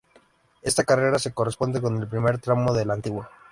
Esta carretera se corresponde con el primer tramo de la antigua